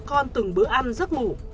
con từng bữa ăn rất ngủ